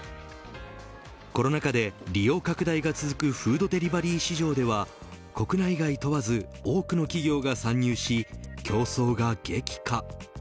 コロナ禍で利用拡大が続くフードデリバリー市場では国内外問わず多くの企業が参入し競争が激化。